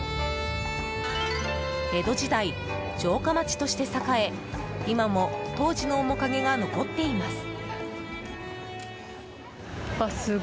江戸時代、城下町として栄え今も当時の面影が残っています。